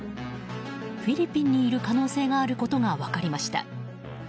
フィリピンにいる可能性があることが分かりました。